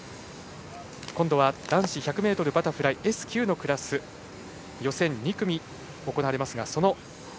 今度は男子１００ｍバタフライＳ９のクラス予選３組、行われます。